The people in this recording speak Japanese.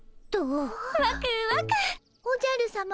おじゃるさま